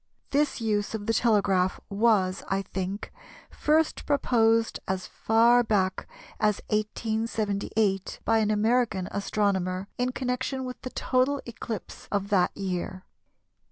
This use of the telegraph was, I think, first proposed as far back as 1878, by an American astronomer, in connection with the total eclipse of that year.